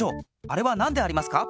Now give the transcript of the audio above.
あれはなんでありますか？